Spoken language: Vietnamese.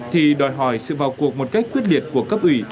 thì đòi hỏi sự vào cuộc một cách quyết liệt của cấp ủy